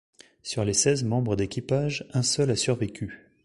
Sur les seize membres d'équipage, un seul a survécu.